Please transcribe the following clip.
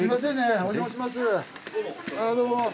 お邪魔します